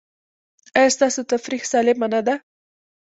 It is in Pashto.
ایا ستاسو تفریح سالمه نه ده؟